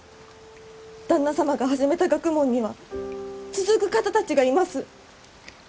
旦那様が始めた学問には続く方たちがいます。